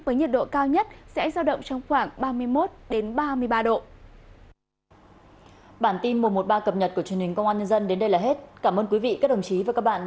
với nhiệt độ cao nhất sẽ giao động